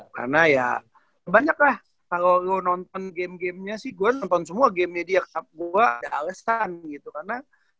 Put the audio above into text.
karena ya banyak lah kalo lo nonton game gamenya sih gue nonton semua game nya di akhbar gue gak ada alasan gitu karena